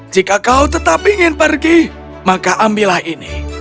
jika kau tetap ingin pergi maka ambillah ini